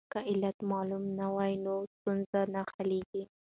که علت معلوم نه وي نو ستونزه نه حلیږي.